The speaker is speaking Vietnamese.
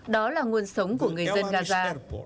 đó là nguồn sống của người dân gaza